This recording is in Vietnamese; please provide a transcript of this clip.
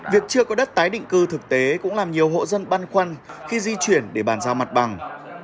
việc chưa có đất tái định cư thực tế cũng làm nhiều hộ dân băn khoăn khi di chuyển để bàn giao mặt bằng